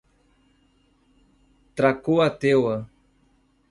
Tracuateua